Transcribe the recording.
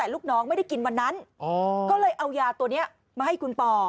ลูกน้องไม่ได้กินวันนั้นก็เลยเอายาตัวนี้มาให้คุณป่อ